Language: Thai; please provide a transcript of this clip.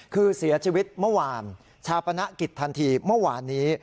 คือเสียชีวิตเมื่อวานชาปนกิจทันทีเมื่อวานนี้